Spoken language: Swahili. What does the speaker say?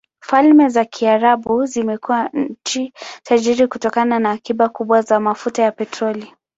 Falme za Kiarabu zimekuwa nchi tajiri kutokana na akiba kubwa za mafuta ya petroli.